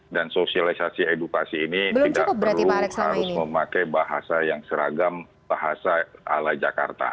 sosialisasi edukasi ini tidak perlu harus memakai bahasa yang seragam bahasa ala jakarta